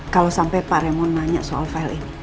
kalo sampe pak raymond nanya soal file ini